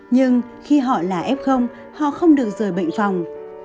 nhưng khi họ là f họ không được rời bệnh phòng